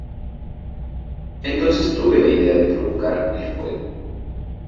Entonces tuve la idea de provocar el fuego.